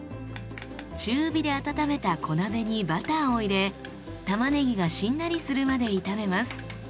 中火で温めた小鍋にバターを入れたまねぎがしんなりするまで炒めます。